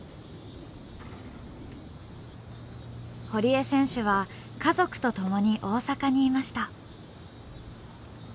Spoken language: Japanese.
堀江選手は家族と共に大阪にいました。